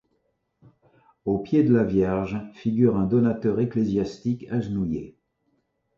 Aux pieds de la Vierge figure un donateur ecclésiastique agenouillé.